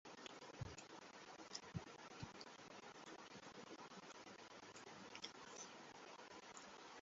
দু’টি তারাই প্রকৃত এ-শ্রেণির প্রধান-পর্যায়ভুক্ত তারা।